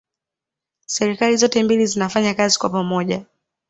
serikali zote mbili zinafanya kazi kwa pamoja